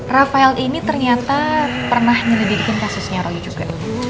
rafael ini ternyata pernah nyelidikin kasusnya roly juga